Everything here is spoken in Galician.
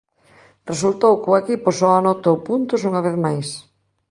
Resultou que o equipo só anotou puntos unha vez máis.